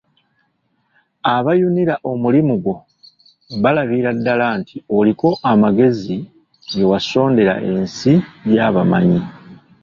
Abayunira omulimu gwo balabira ddala nti oliko amagezi ge wasondera ensi y’abamanyi.